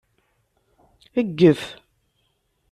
Gget.